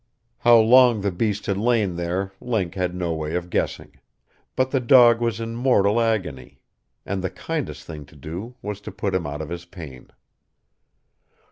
How long the beast had lain there Link had no way of guessing. But the dog was in mortal agony. And the kindest thing to do was to put him out of his pain.